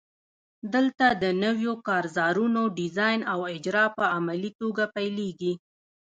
دلته د نویو کارزارونو ډیزاین او اجرا په عملي توګه پیلیږي.